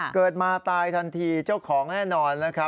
เกิดมาตายทันทีเจ้าของแน่นอนนะครับ